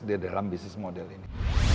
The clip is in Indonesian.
di dalam business model ini